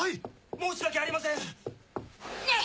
申し訳ありません！ねぇ！